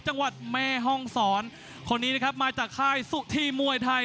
จังหวัดแม่ห้องศรคนนี้นะครับมาจากค่ายสุธีมวยไทย